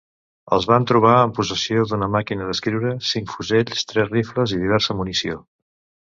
Els van trobar en possessió d'una màquina d'escriure, cinc fusells, tres rifles i diversa munició.